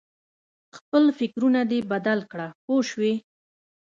خپل فکرونه دې بدل کړه پوه شوې!.